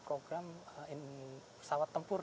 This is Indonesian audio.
program pesawat tempur